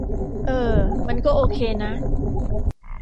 เออ มันก็โอเคนะ